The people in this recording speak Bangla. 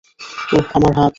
ওহ, আমার হাত!